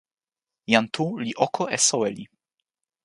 jan Tu li oko e soweli.